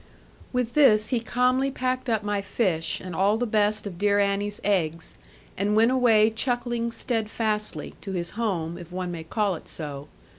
With this he calmly packed up my fish, and all the best of dear Annie's eggs; and went away chuckling steadfastly, to his home, if one may call it so.